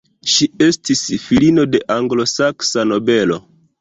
Ŝi estis filino de anglosaksa nobelo.